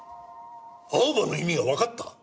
アオバの意味がわかった！？